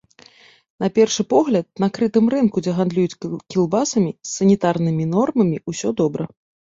На першы погляд, на крытым рынку, дзе гандлююць кілбасамі, з санітарнымі нормамі ўсё добра.